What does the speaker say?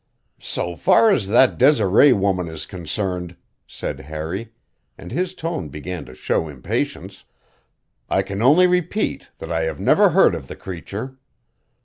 "So far as that Desiree woman is concerned," said Harry, and his tone began to show impatience, "I can only repeat that I have never heard of the creature.